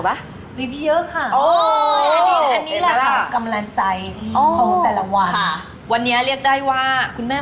วันนี้เรียกได้ว่าคุณแม่